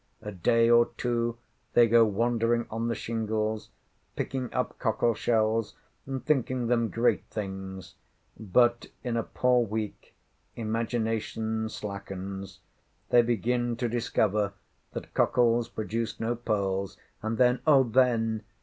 A day or two they go wandering on the shingles, picking up cockleshells, and thinking them great things; but, in a poor week, imagination slackens: they begin to discover that cockles produce no pearls, and then—O then!